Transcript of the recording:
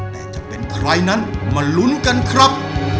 แต่จะเป็นใครนั้นมาลุ้นกันครับ